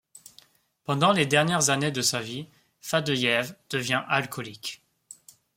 Pendant les dernières années de sa vie, Fadeïev devient alcoolique.